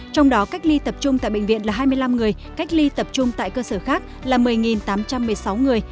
trong đó cách ly tập trung tại bệnh viện là hai mươi năm người cách ly tập trung tại cơ sở khác là một mươi tám trăm một mươi sáu người